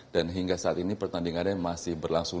dan hingga saat ini pertandingannya masih berlangsung